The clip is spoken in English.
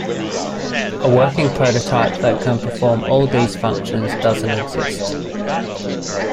A working proto-type that can perform all these functions doesn't exist.